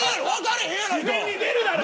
自然に出るだろ。